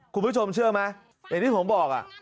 คุณผู้ชมเชื่อไหมอย่างที่ผมบอก